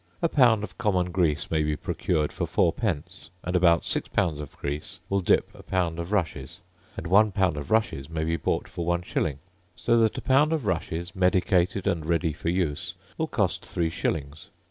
A pound of common grease may be procured for four pence; and about six pounds of grease will dip a pound of rushes; and one pound of rushes may be bought for one shilling: so that a pound of rushes, medicated and ready for use, will cost three shillings.